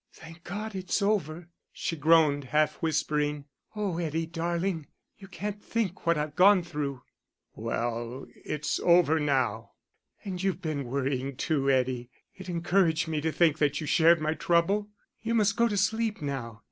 "Thank God, it's over," she groaned, half whispering. "Oh, Eddie, darling, you can't think what I've gone through." "Well, it's all over now." "And you've been worrying too, Eddie. It encouraged me to think that you shared my trouble. You must go to sleep now.